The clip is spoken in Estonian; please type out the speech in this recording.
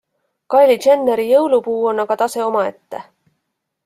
Kylie Jenneri jõulupuu on aga tase omaette.